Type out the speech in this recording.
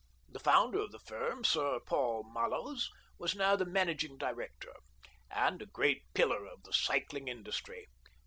The founder of the firm, Mr. Paul Mallows, was now the managing director, and a great pillar of the cycling industry.